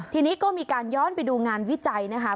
ทีนี้ก็มีการย้อนไปดูงานวิจัยนะคะ